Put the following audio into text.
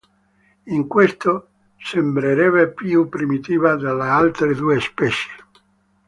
In questo sembrerebbe più primitiva delle altre due specie.